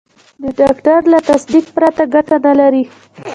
د ډاکټر له تصدیق پرته ګټه نه لري.